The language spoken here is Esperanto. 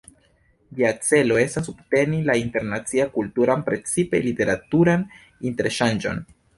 Ĝia celo estas subteni la internacian kulturan, precipe literaturan interŝanĝon.